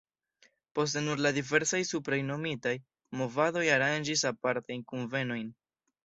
Poste nur la diversaj supre nomitaj movadoj aranĝis apartajn kunvenojn.